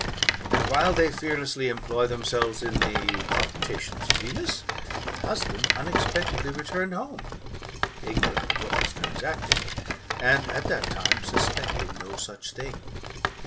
And, while they fearlessly employ themselves in the coUuctations of Venus, the husband unexpectedly returned home, ignorant of what was transacting, and, at that time, suspecting no such thing.